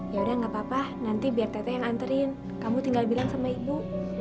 yaudah gak apa apa nanti biar teteh yang nganterin kamu tinggal bilang sama ibu